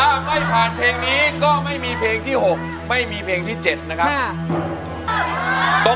ถ้าไม่ผ่านเพลงนี้ก็ไม่มีเพลงที่๖ไม่มีเพลงที่๗นะครับ